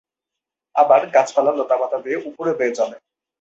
আবার গাছপালা লতাপাতা দিয়ে উপরে বেয়ে চলে।